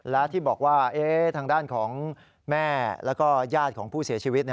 และที่บอกว่าทางด้านของแม่แล้วก็ญาติของผู้เสียชีวิต